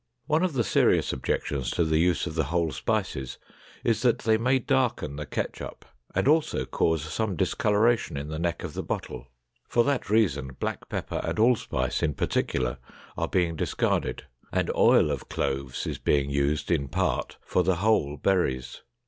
One of the serious objections to the use of the whole spices is that they may darken the ketchup and also cause some discoloration in the neck of the bottle. For that reason, black pepper and allspice in particular are being discarded, and oil of cloves is being used in part for the whole berries.